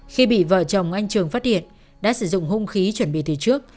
khi bị vợ chồng anh trường phát hiện đã sử dụng hung khí chuẩn bị từ trước